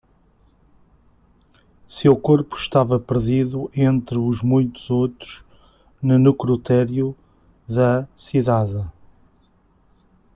Seu corpo estava perdido entre os muitos outros no necrotério da cidade.